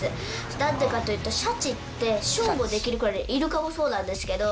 なんでかっていうと、シャチってショーもできるくらい、イルカもそうなんですけど。